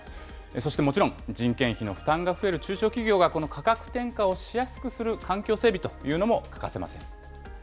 そしてもちろん、人件費の負担が増える中小企業が、この価格転嫁をしやすくする環境整備というのも欠かせません。